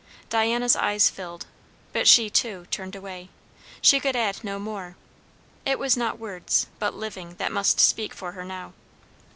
Diana's eyes filled; but she, too, turned away. She could add no more. It was not words, but living, that must speak for her now.